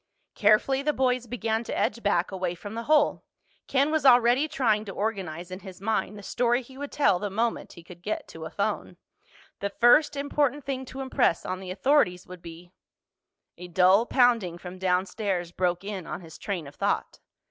Carefully the boys began to edge back, away from the hole. Ken was already trying to organize in his mind the story he would tell the moment he could get to a phone. The first important thing to impress on the authorities would be— A dull pounding from downstairs broke in on his train of thought.